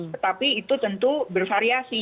tetapi itu tentu bervariasi